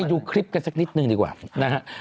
ดูคลิปกันสักนิดนึงดีกว่านะฮะ